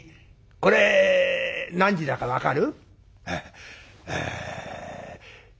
これ何時だか分かる？」。